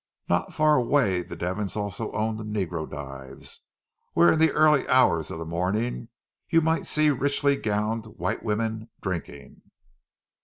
Not far away the Devons also owned negro dives, where, in the early hours of the morning, you might see richly gowned white women drinking.